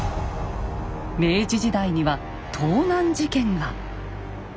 明治時代には盗難事件が！